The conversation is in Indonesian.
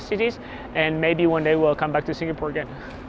dan mungkin suatu hari nanti kami akan kembali ke singapura